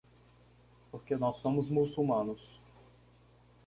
Porque nós somos muçulmanos.